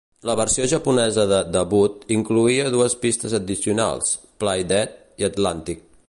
La versió japonesa de "Debut" incloïa dues pistes addicionals: "Play Dead" i "Atlantic".